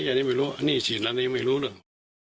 หนี้สินอะไรไม่รู้เลย